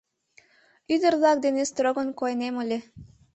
Ӱдыр-влак дене строгын койнем ыле.